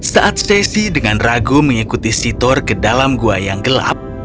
saat stacy dengan ragu mengikuti sitor ke dalam gua yang gelap